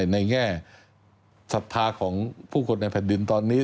ในแง่ศรัทธาของผู้คนในแผ่นดินตอนนี้